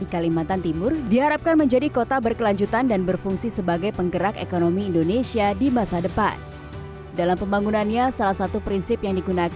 kota ibu kota baru nusantara